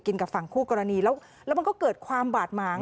กับฝั่งคู่กรณีแล้วแล้วมันก็เกิดความบาดหมาง